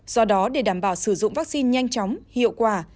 do đó để đảm bảo sử dụng vaccine nhanh chóng hiệu quả